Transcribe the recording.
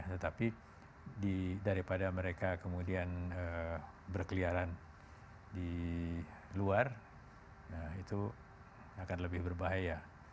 tetapi daripada mereka kemudian berkeliaran di luar itu akan lebih berbahaya